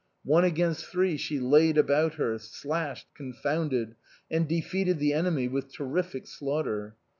One against three she laid about her, slashed, confounded, and de feated the enemy with terrific slaughter.